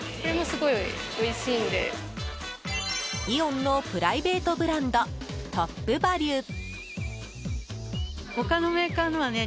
イオンのプライベートブランドトップバリュ。